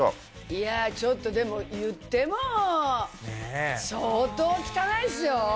いやちょっとでも言っても相当汚いっすよ。